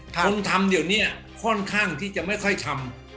คนทำเดี๋ยวนี้ค่อนข้างที่จะไม่ค่อยทำ